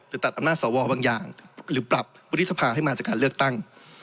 ตัดอำนาจสวบางอย่างหรือปรับวุฒิสภาให้มาจากการเลือกตั้ง